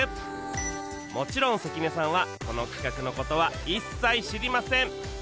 もちろん関根さんはこの企画の事は一切知りません